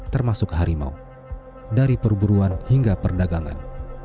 termasuk harimau dari perburuan hingga perdagangan